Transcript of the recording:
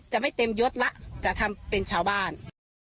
จะไม่เต็มยศละจะทำเป็นชาวบ้าน